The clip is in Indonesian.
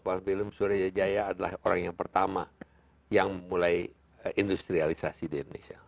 saya menganggap pak william surya jaya adalah orang yang pertama yang mulai industrialisasi di indonesia